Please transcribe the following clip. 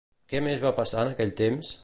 Què més va passar en aquell temps?